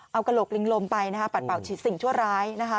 เอากระหลุกลิงลมไปปัดเป่าสิ่งชั่วร้าย